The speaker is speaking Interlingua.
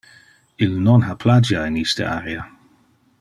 Il non ha plagia in iste area.